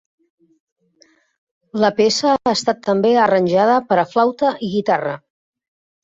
La peça ha estat també arranjada per a flauta i guitarra.